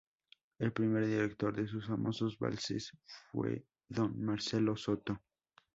El primer director de sus famosos valses fue don Marcelo Soto.